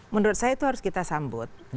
menurut saya itu harus kita sambut